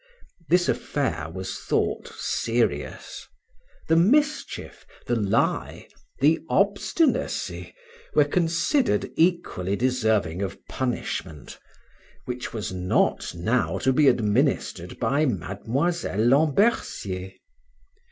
This affair was thought serious; the mischief, the lie, the obstinacy, were considered equally deserving of punishment, which was not now to be administered by Miss Lambercier.